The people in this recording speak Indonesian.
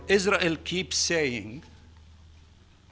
israel terus mengatakan